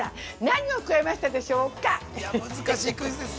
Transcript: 何を加えましたでしょうか。